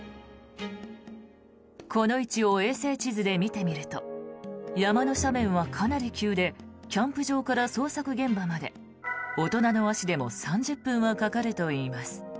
この位置を衛星地図で見てみると山の斜面はかなり急でキャンプ場から捜索現場まで大人の足でも３０分はかかるといいます。